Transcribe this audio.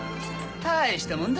大したもんだ！